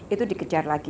itu dikejar lagi